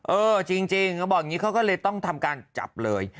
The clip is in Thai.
เออจริงเขาบอกอย่างนี้เขาก็เลยต้องทำการจับเลย